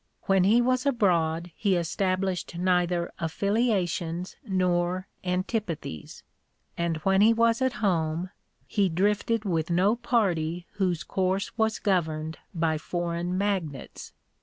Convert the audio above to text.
When he was abroad he established neither affiliations nor antipathies, and when he was at home he drifted with no party whose course was governed by foreign magnets.